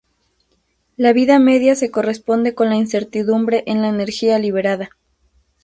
La vida media se corresponde con la incertidumbre en la energía liberada.